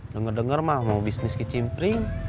dengar dengar mau bisnis ke cimpring